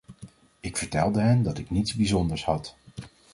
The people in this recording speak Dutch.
Ik vertelde hen dat ik niets bijzonders had.